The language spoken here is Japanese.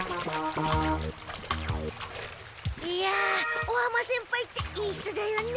いや尾浜先輩っていい人だよね。